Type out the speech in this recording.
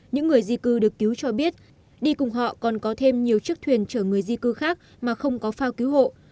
những người di cư được cứu cho biết đi cùng họ còn có thêm nhiều chiếc thuyền chở người di cư khác mà không có phao cứu hộ